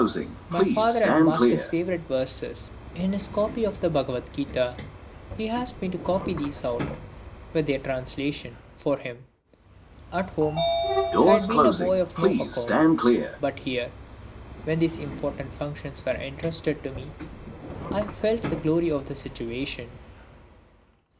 My father had marked his favourite verses in his copy of the Bhagavadgita. He asked me to copy these out, with their translation, for him. At home, I had been a boy of no account, but here, when these important functions were entrusted to me, I felt the glory of the situation.